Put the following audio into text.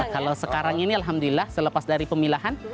kalau sekarang ini alhamdulillah selepas dari pemilahan